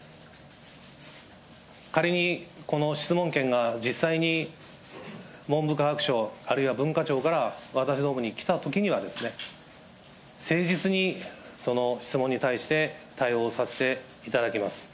仮にこの質問権が実際に文部科学省、あるいは文化庁から私どもに来たときには、誠実にその質問に対して対応させていただきます。